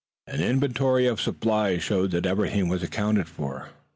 An inventory of the supplies showed that everything was accounted for.